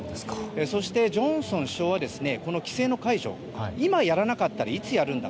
そして、ジョンソン首相はこの規制の解除今やらなかったらいつやるんだ。